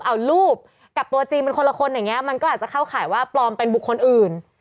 เอารูปกับตัวจริงมันคนละคนอย่างนี้มันก็อาจจะเข้าข่ายว่าปลอมเป็นบุคคลอื่น